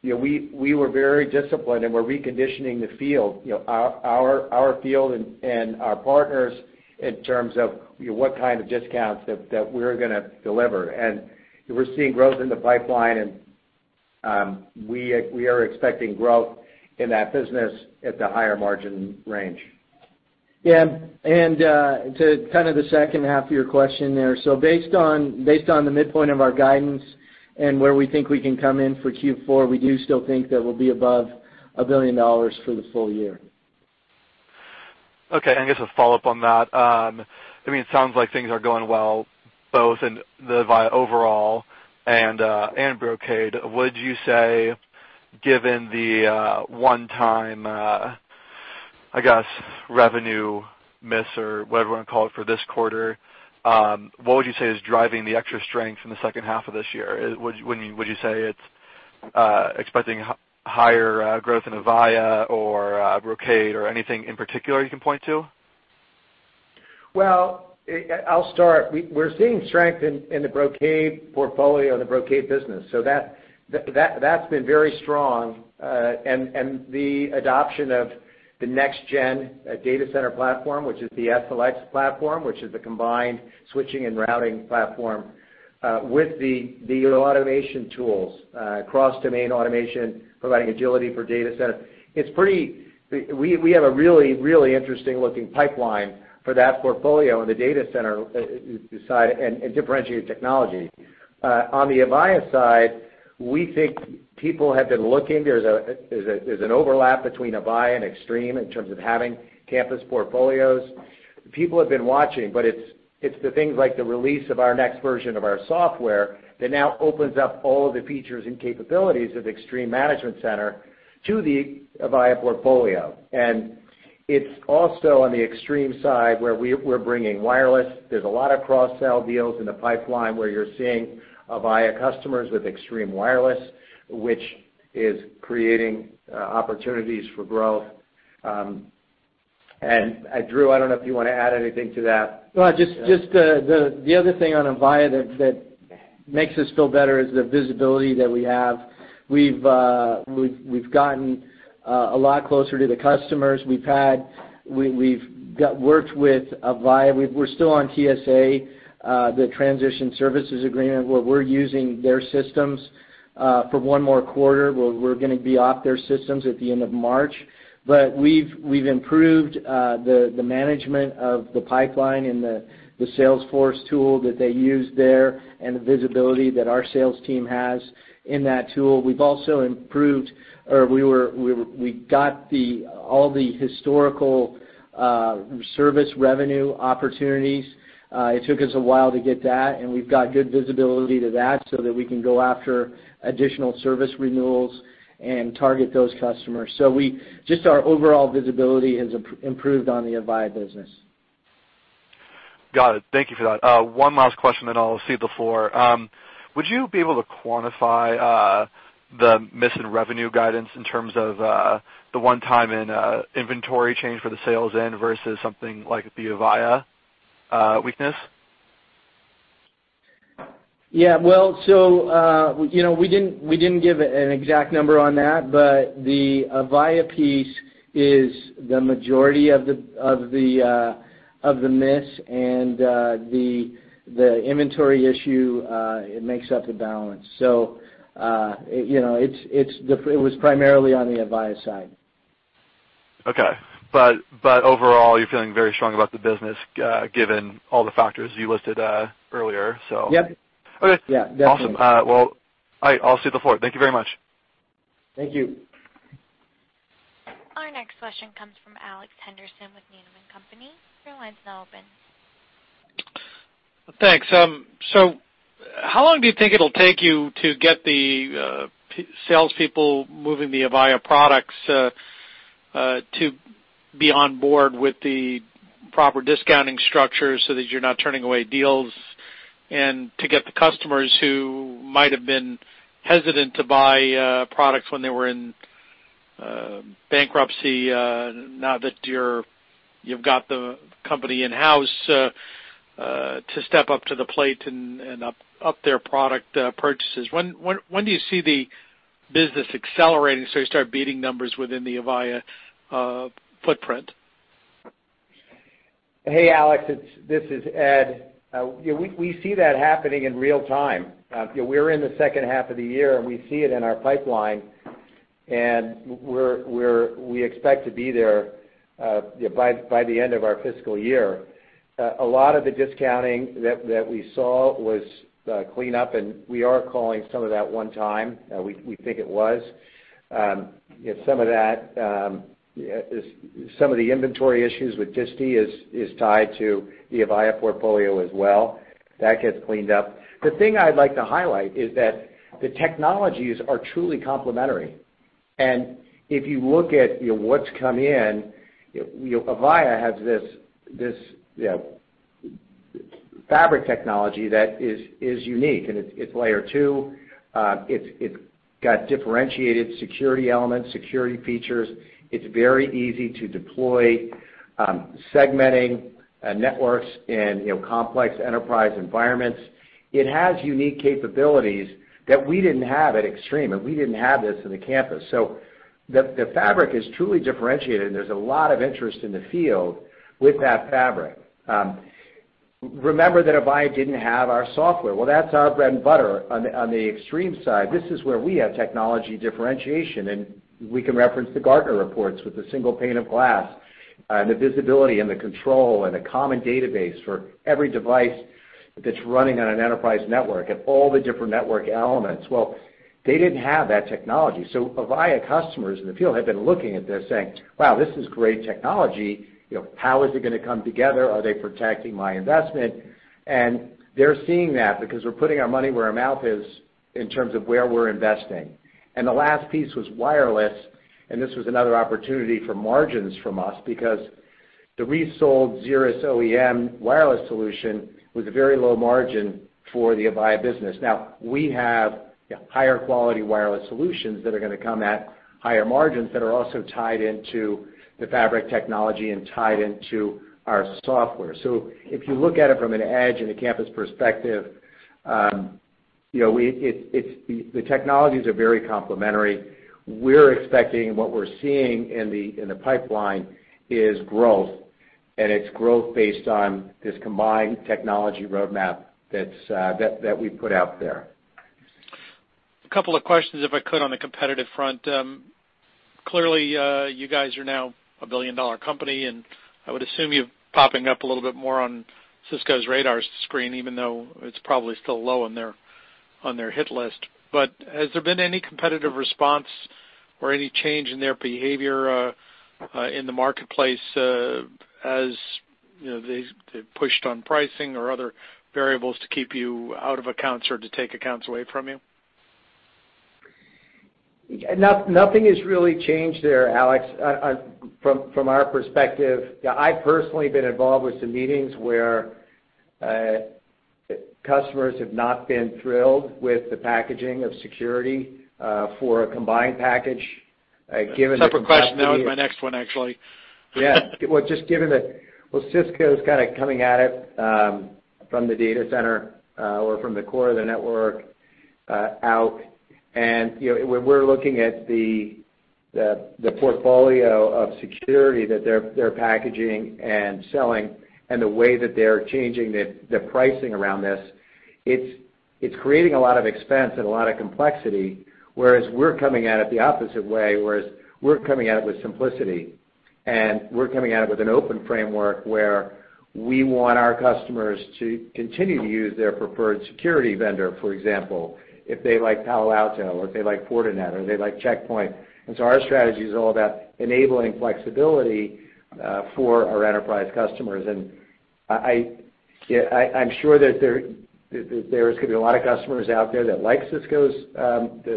We were very disciplined, and we're reconditioning the field, our field and our partners, in terms of what kind of discounts that we're going to deliver. We're seeing growth in the pipeline, and we are expecting growth in that business at the higher margin range. Yeah. To the second half of your question there, based on the midpoint of our guidance and where we think we can come in for Q4, we do still think that we'll be above $1 billion for the full year. Okay. Just a follow-up on that. It sounds like things are going well, both in the Avaya overall and Brocade. Would you say, given the one-time, I guess, revenue miss, or whatever I call it, for this quarter, what would you say is driving the extra strength in the second half of this year? Would you say it's expecting higher growth in Avaya or Brocade or anything in particular you can point to? Well, I'll start. We're seeing strength in the Brocade portfolio, the Brocade business. That's been very strong. The adoption of the next-gen data center platform, which is the SLX platform, which is the combined switching and routing platform with the automation tools, cross-domain automation, providing agility for data center. We have a really interesting looking pipeline for that portfolio in the data center side and differentiated technology. On the Avaya side, we think people have been looking. There's an overlap between Avaya and Extreme in terms of having campus portfolios. People have been watching, but it's the things like the release of our next version of our software that now opens up all of the features and capabilities of Extreme Management Center to the Avaya portfolio. It's also on the Extreme side, where we're bringing wireless. There's a lot of cross-sell deals in the pipeline where you're seeing Avaya customers with ExtremeWireless, which is creating opportunities for growth. Drew, I don't know if you want to add anything to that. No, just the other thing on Avaya that makes us feel better is the visibility that we have. We've gotten a lot closer to the customers. We've worked with Avaya. We're still on TSA, the transition services agreement, where we're using their systems for one more quarter. We're going to be off their systems at the end of March. We've improved the management of the pipeline and the sales force tool that they use there and the visibility that our sales team has in that tool. We've also improved, or we got all the historical service revenue opportunities. It took us a while to get that, and we've got good visibility to that so that we can go after additional service renewals and target those customers. Just our overall visibility has improved on the Avaya business. Got it. Thank you for that. One last question, then I'll cede the floor. Would you be able to quantify the missing revenue guidance in terms of the one-time and inventory change for the sales in versus something like the Avaya weakness? Yeah. Well, we didn't give an exact number on that, but the Avaya piece is the majority of the miss, and the inventory issue, it makes up the balance. It was primarily on the Avaya side. Okay. Overall, you're feeling very strong about the business given all the factors you listed earlier. Yep. Okay. Yeah, definitely. Awesome. Well, all right, I'll cede the floor. Thank you very much. Thank you. Our next question comes from Alex Henderson with Needham & Company. Your line's now open. Thanks. How long do you think it'll take you to get the salespeople moving the Avaya products to be on board with the proper discounting structure so that you're not turning away deals and to get the customers who might have been hesitant to buy products when they were in bankruptcy now that you've got the company in-house to step up to the plate and up their product purchases? When do you see the business accelerating, so you start beating numbers within the Avaya footprint? Alex, this is Ed. We see that happening in real time. We're in the second half of the year. We see it in our pipeline. We expect to be there by the end of our fiscal year. A lot of the discounting that we saw was cleanup. We are calling some of that one time. We think it was. Some of the inventory issues with disti is tied to the Avaya portfolio as well. That gets cleaned up. The thing I'd like to highlight is that the technologies are truly complementary. If you look at what's come in, Avaya has this Fabric technology that is unique. It's Layer 2. It's got differentiated security elements, security features. It's very easy to deploy, segmenting networks in complex enterprise environments. It has unique capabilities that we didn't have at Extreme. We didn't have this in the campus. The fabric is truly differentiated. There's a lot of interest in the field with that fabric. Remember that Avaya didn't have our software. Well, that's our bread and butter on the Extreme side. This is where we have technology differentiation. We can reference the Gartner reports with a single pane of glass and the visibility and the control and a common database for every device that's running on an enterprise network and all the different network elements. Well, they didn't have that technology. Avaya customers in the field have been looking at this saying, "Wow, this is great technology. How is it going to come together? Are they protecting my investment?" They're seeing that because we're putting our money where our mouth is in terms of where we're investing. The last piece was wireless. This was another opportunity for margins from us because the resold Zebra Wireless OEM solution was a very low margin for the Avaya business. We have higher quality wireless solutions that are going to come at higher margins that are also tied into the fabric technology and tied into our software. If you look at it from an edge and a campus perspective, the technologies are very complementary. We're expecting what we're seeing in the pipeline is growth. It's growth based on this combined technology roadmap that we've put out there. A couple of questions, if I could, on the competitive front. Clearly, you guys are now a billion-dollar company. I would assume you're popping up a little bit more on Cisco's radar screen, even though it's probably still low on their hit list. Has there been any competitive response or any change in their behavior in the marketplace as they've pushed on pricing or other variables to keep you out of accounts or to take accounts away from you? Nothing has really changed there, Alex, from our perspective. I personally have been involved with some meetings where customers have not been thrilled with the packaging of security for a combined package, given the- Separate question. That was my next one, actually. Yeah. Well, Cisco's coming at it from the data center or from the core of the network out, and we're looking at the portfolio of security that they're packaging and selling and the way that they're changing the pricing around this. It's creating a lot of expense and a lot of complexity, whereas we're coming at it the opposite way, whereas we're coming at it with simplicity, and we're coming at it with an open framework where we want our customers to continue to use their preferred security vendor, for example, if they like Palo Alto or if they like Fortinet or they like Check Point. Our strategy is all about enabling flexibility for our enterprise customers. I'm sure that there could be a lot of customers out there that like Cisco's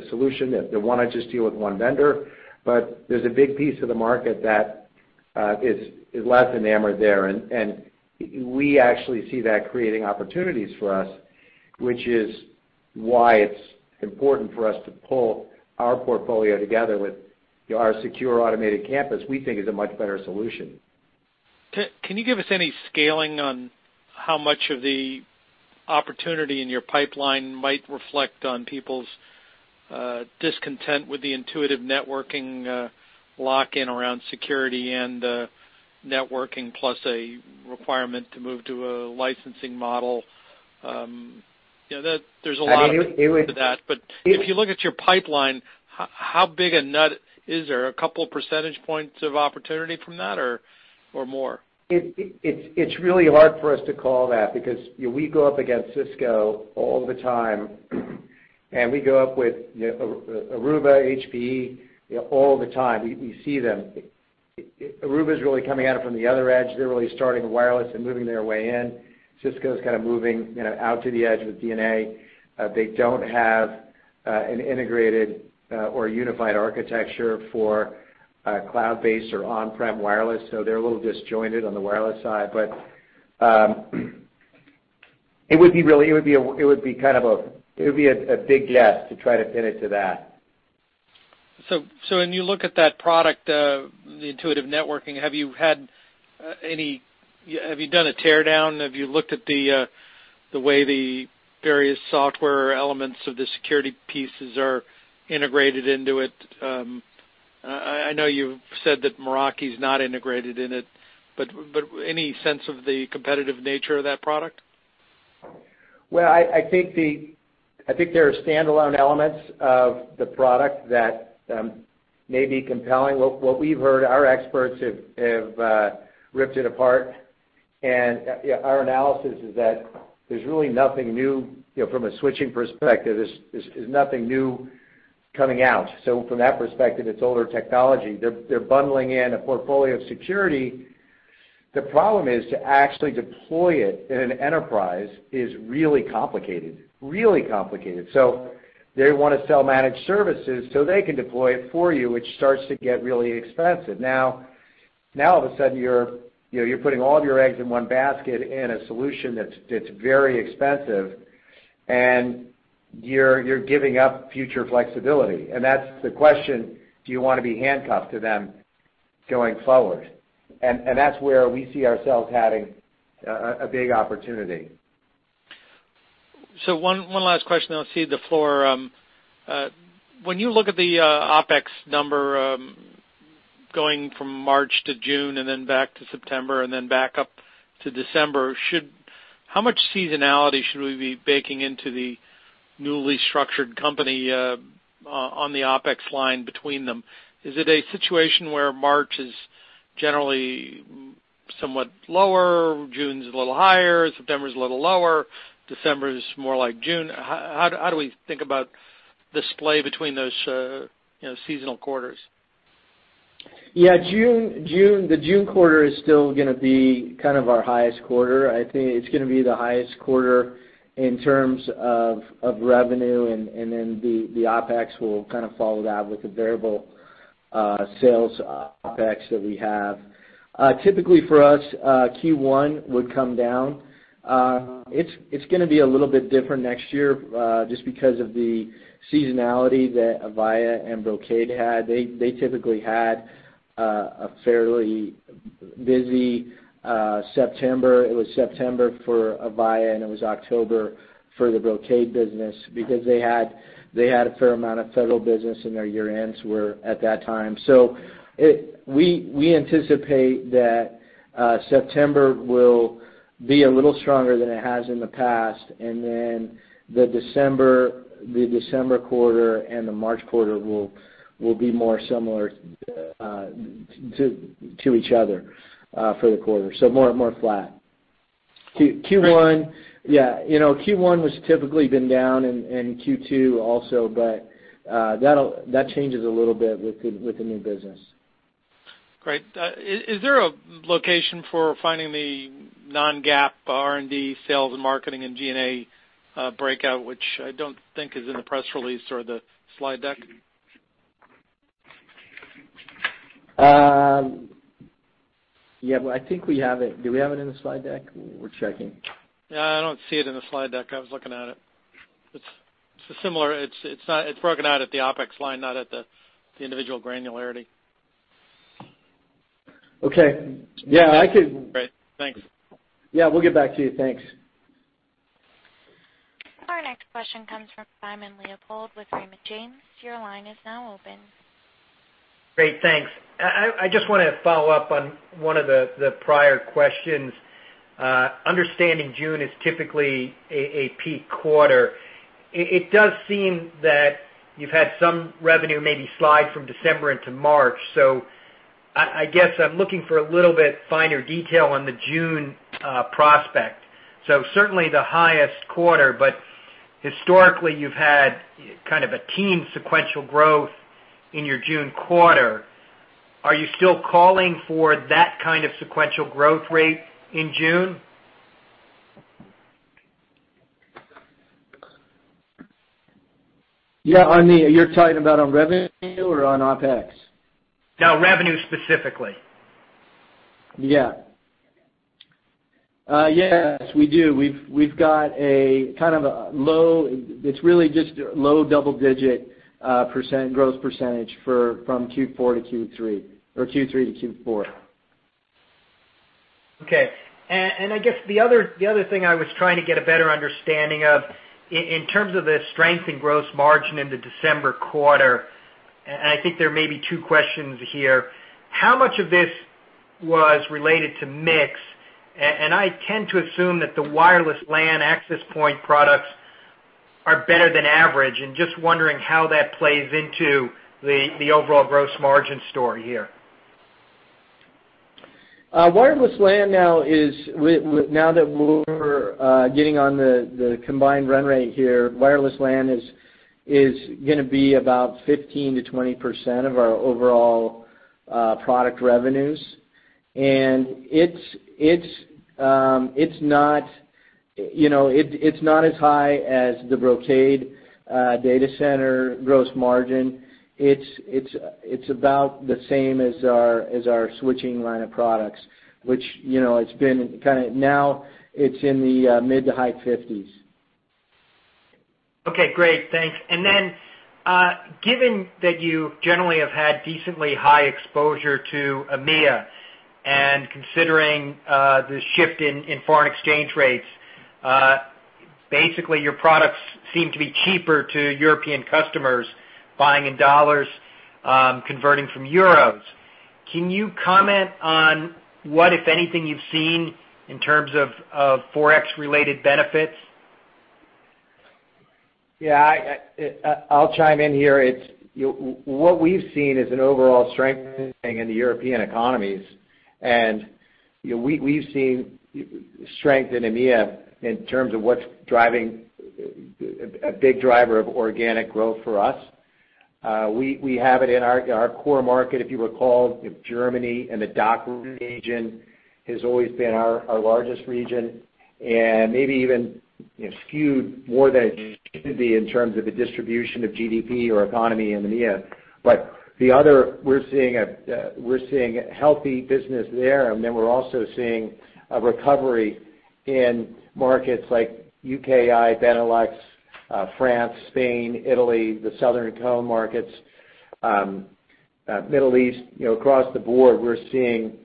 solution, that want to just deal with one vendor, but there's a big piece of the market that is less enamored there, and we actually see that creating opportunities for us, which is why it's important for us to pull our portfolio together with our Secure Automated Campus, we think is a much better solution. Can you give us any scaling on how much of the opportunity in your pipeline might reflect on people's discontent with the intuitive networking lock-in around security and networking, plus a requirement to move to a licensing model? There's a lot to that. If you look at your pipeline, how big a nut is there? A couple percentage points of opportunity from that or more? It's really hard for us to call that because we go up against Cisco all the time, and we go up with Aruba, HPE all the time. We see them. Aruba's really coming at it from the other edge. They're really starting wireless and moving their way in. Cisco's moving out to the edge with DNA. They don't have an integrated or unified architecture for cloud-based or on-prem wireless, so they're a little disjointed on the wireless side. It would be a big guess to try to pin it to that. When you look at that product, the intuitive networking, have you done a teardown? Have you looked at the way the various software elements of the security pieces are integrated into it? I know you've said that Meraki's not integrated in it, any sense of the competitive nature of that product? I think there are standalone elements of the product that may be compelling. What we've heard, our experts have ripped it apart, our analysis is that there's really nothing new from a switching perspective. There's nothing new coming out. From that perspective, it's older technology. They're bundling in a portfolio of security. The problem is to actually deploy it in an enterprise is really complicated. They want to sell managed services so they can deploy it for you, which starts to get really expensive. All of a sudden, you're putting all of your eggs in one basket in a solution that's very expensive, you're giving up future flexibility. That's the question: do you want to be handcuffed to them going forward? That's where we see ourselves having a big opportunity. One last question then I'll cede the floor. When you look at the OpEx number, going from March to June, and then back to September, and then back up to December, how much seasonality should we be baking into the newly structured company on the OpEx line between them? Is it a situation where March is generally somewhat lower, June's a little higher, September's a little lower, December is more like June? How do we think about the splay between those seasonal quarters? Yeah. The June quarter is still going to be our highest quarter. I think it's going to be the highest quarter in terms of revenue, and then the OpEx will kind of follow that with the variable sales OpEx that we have. Typically for us, Q1 would come down. It's going to be a little bit different next year, just because of the seasonality that Avaya and Brocade had. They typically had a fairly busy September. It was September for Avaya, and it was October for the Brocade business, because they had a fair amount of federal business and their year-ends were at that time. We anticipate that September will be a little stronger than it has in the past, and then the December quarter and the March quarter will be more similar to each other for the quarter, so more flat. Q1 was typically been down and Q2 also, but that changes a little bit with the new business. Great. Is there a location for finding the non-GAAP R&D sales and marketing and G&A breakout, which I don't think is in the press release or the slide deck? Yeah, I think we have it. Do we have it in the slide deck? We're checking. Yeah, I don't see it in the slide deck. I was looking at it. It's broken out at the OpEx line, not at the individual granularity. Okay. Yeah. Great. Thanks. Yeah, we'll get back to you. Thanks. Our next question comes from Simon Leopold with Raymond James. Your line is now open. Great, thanks. I just want to follow up on one of the prior questions. Understanding June is typically a peak quarter, it does seem that you've had some revenue maybe slide from December into March. I guess I'm looking for a little bit finer detail on the June prospect. Certainly the highest quarter, but historically you've had a teen sequential growth in your June quarter. Are you still calling for that kind of sequential growth rate in June? Yeah. You're talking about on revenue or on OpEx? No, revenue specifically. Yeah. Yes, we do. We've got a low double-digit growth % from Q4 to Q3, or Q3 to Q4. Okay. I guess the other thing I was trying to get a better understanding of, in terms of the strength in gross margin in the December quarter. I think there may be two questions here, how much of this was related to mix? I tend to assume that the Wireless LAN access point products are better than average. Just wondering how that plays into the overall gross margin story here. Wireless LAN now that we're getting on the combined run rate here, Wireless LAN is going to be about 15%-20% of our overall product revenues. It's not as high as the Brocade Data Center gross margin. It's about the same as our switching line of products, which now it's in the mid to high 50s. Okay, great. Thanks. Given that you generally have had decently high exposure to EMEA, and considering the shift in foreign exchange rates, basically your products seem to be cheaper to European customers buying in dollars, converting from euros. Can you comment on what, if anything, you've seen in terms of ForEx related benefits? Yeah. I'll chime in here. What we've seen is an overall strengthening in the European economies, and we've seen strength in EMEA in terms of what's a big driver of organic growth for us. We have it in our core market, if you recall, Germany and the DACH region has always been our largest region maybe even skewed more than it should be in terms of the distribution of GDP or economy in EMEA. We're seeing a healthy business there, we're also seeing a recovery in markets like UKI, Benelux, France, Spain, Italy, the Southern Cone markets, Middle East. Across the board, we're seeing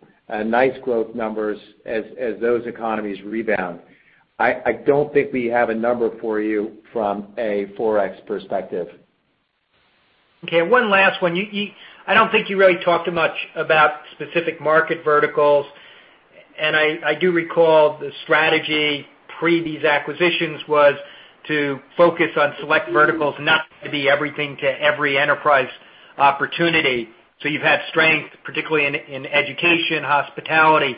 nice growth numbers as those economies rebound. I don't think we have a number for you from a ForEx perspective. Okay, one last one. I don't think you really talked much about specific market verticals, I do recall the strategy pre these acquisitions was to focus on select verticals, not to be everything to every enterprise opportunity. You've had strength, particularly in education, hospitality.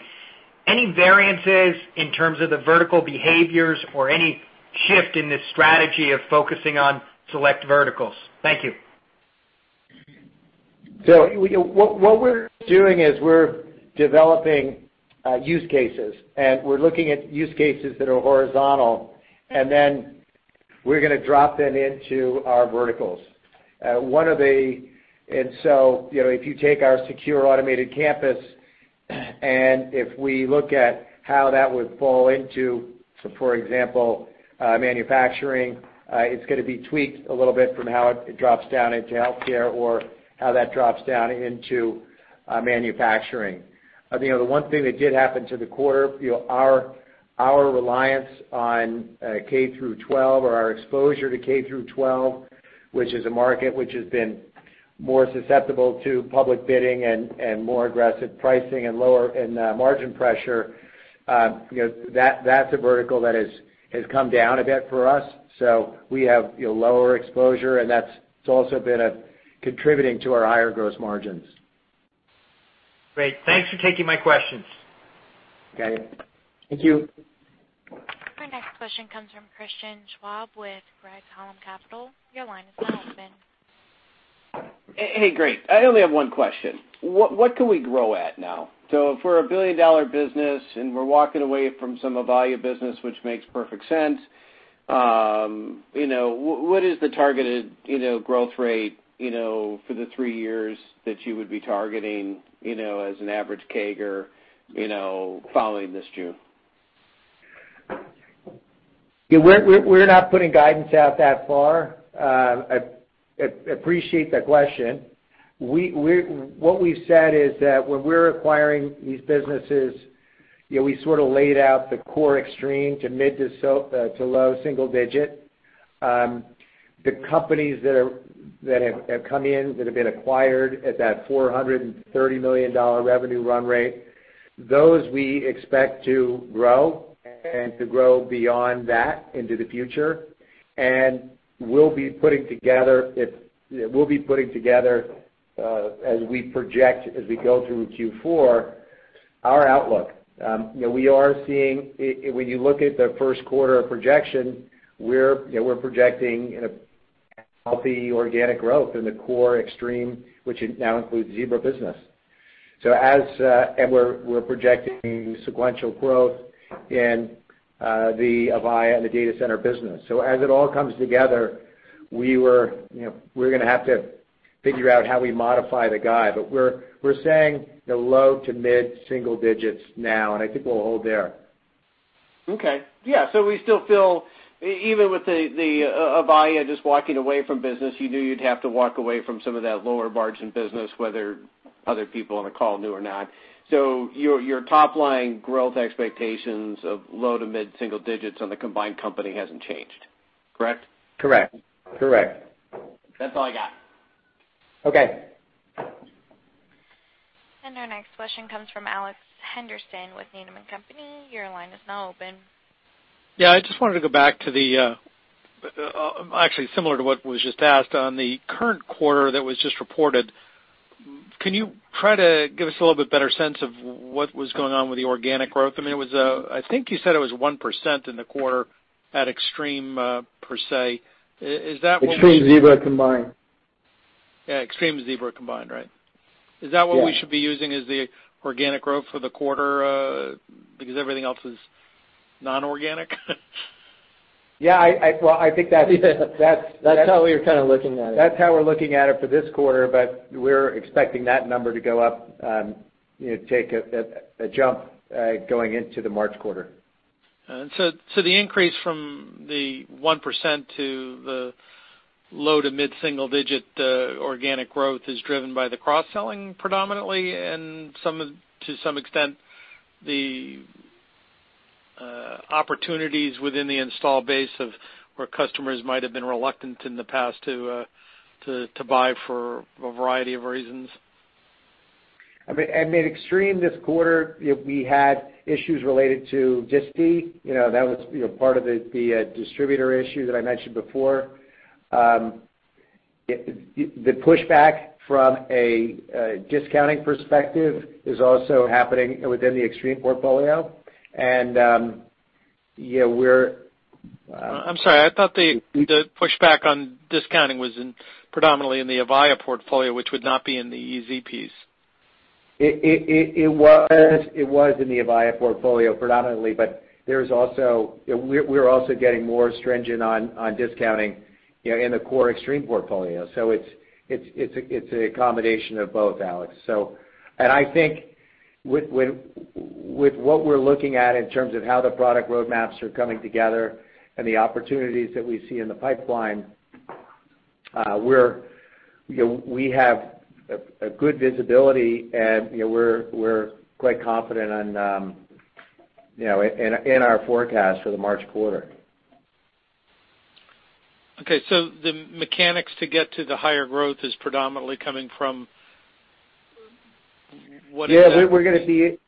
Any variances in terms of the vertical behaviors or any shift in this strategy of focusing on select verticals? Thank you. What we're doing is we're developing use cases, we're looking at use cases that are horizontal, we're going to drop them into our verticals. If you take our Secure Automated Campus, if we look at how that would fall into, for example, manufacturing, it's going to be tweaked a little bit from how it drops down into healthcare or how that drops down into manufacturing. The one thing that did happen to the quarter, our reliance on K-12, or our exposure to K-12, which is a market which has been more susceptible to public bidding and more aggressive pricing and margin pressure, that's a vertical that has come down a bit for us. We have lower exposure, that's also been contributing to our higher gross margins. Great. Thanks for taking my questions. Okay. Thank you. Our next question comes from Christian Schwab with Craig-Hallum Capital. Your line is now open. Hey, great. I only have one question. What can we grow at now? If we're a billion-dollar business and we're walking away from some Avaya business, which makes perfect sense, what is the targeted growth rate for the three years that you would be targeting as an average CAGR following this June? We're not putting guidance out that far. Appreciate the question. What we've said is that when we're acquiring these businesses, we sort of laid out the core Extreme to mid- to low-single digit. The companies that have come in, that have been acquired at that $430 million revenue run rate, those we expect to grow and to grow beyond that into the future, and we'll be putting together, as we project, as we go through Q4, our outlook. When you look at the first quarter of projection, we're projecting a healthy organic growth in the core Extreme, which now includes Zebra business. We're projecting sequential growth in the Avaya and the data center business. As it all comes together, we're going to have to figure out how we modify the guide, but we're saying the low- to mid-single digits now, and I think we'll hold there. Okay. Yeah. We still feel, even with the Avaya just walking away from business, you knew you'd have to walk away from some of that lower margin business, whether other people on the call knew or not. Your top line growth expectations of low- to mid-single digits on the combined company hasn't changed, correct? Correct. That's all I got. Okay. Our next question comes from Alex Henderson with Needham & Company. Your line is now open. Yeah, I just wanted to go back to actually, similar to what was just asked. The current quarter that was just reported, can you try to give us a little bit better sense of what was going on with the organic growth? I think you said it was 1% in the quarter at Extreme per se. Is that what- Extreme Zebra combined. Yeah, Extreme Zebra combined, right? Yeah. Is that what we should be using as the organic growth for the quarter because everything else is non-organic? Yeah. Well, I think that's- That's how we were kind of looking at it. That's how we're looking at it for this quarter, We're expecting that number to go up, take a jump, going into the March quarter. The increase from the 1% to the low to mid single digit organic growth is driven by the cross-selling predominantly and, to some extent, the opportunities within the install base of where customers might have been reluctant in the past to buy for a variety of reasons? I mean, at Extreme this quarter, we had issues related to distie. That was part of the distributor issue that I mentioned before. The pushback from a discounting perspective is also happening within the Extreme portfolio. I'm sorry, I thought the pushback on discounting was predominantly in the Avaya portfolio, which would not be in the EZ piece. It was in the Avaya portfolio predominantly, we're also getting more stringent on discounting in the core Extreme portfolio. It's a combination of both, Alex. I think with what we're looking at in terms of how the product roadmaps are coming together and the opportunities that we see in the pipeline, we have a good visibility, and we're quite confident in our forecast for the March quarter. Okay. The mechanics to get to the higher growth is predominantly coming from what is that?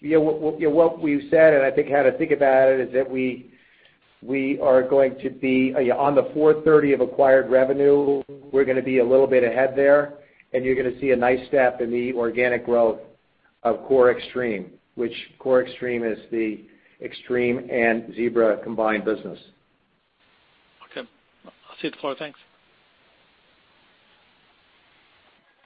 Yeah. What we've said, I think how to think about it is that we are going to be on the $430 of acquired revenue. We're going to be a little bit ahead there, you're going to see a nice step in the organic growth of core Extreme, which core Extreme is the Extreme and Zebra combined business. Okay. I'll cede the floor. Thanks.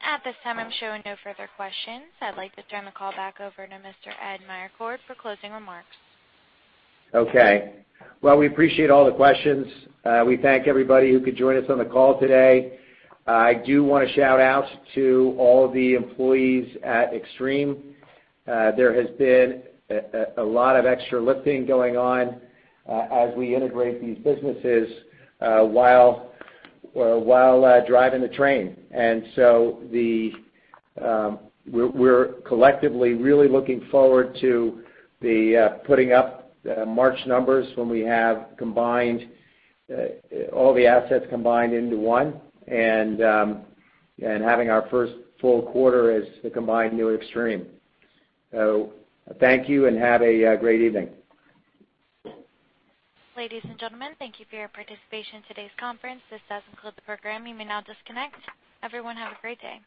At this time, I'm showing no further questions. I'd like to turn the call back over to Mr. Ed Meyercord for closing remarks. Okay. Well, we appreciate all the questions. We thank everybody who could join us on the call today. I do want to shout out to all the employees at Extreme. There has been a lot of extra lifting going on as we integrate these businesses while driving the train. We're collectively really looking forward to the putting up March numbers when we have all the assets combined into one, and having our first full quarter as the combined new Extreme. Thank you and have a great evening. Ladies and gentlemen, thank you for your participation in today's conference. This does conclude the program. You may now disconnect. Everyone, have a great day.